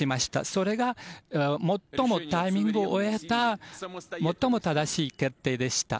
それが最もタイミングを得た最も正しい決定でした。